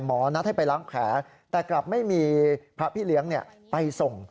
หมอนัดให้ไปล้างแผลแต่กลับไม่มีพระพี่เลี้ยงไปส่ง